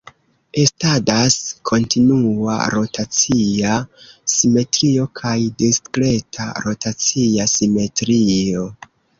Estadas kontinua rotacia simetrio kaj diskreta rotacia simetrio.